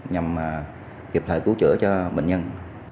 nhằm kiệp thời cứu chữa cho bệnh nhân